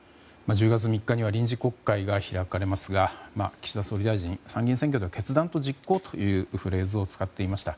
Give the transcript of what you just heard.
１０月３日には臨時国会が開かれますが岸田総理大臣参議院選挙でも決断と実行というフレーズを使っていました。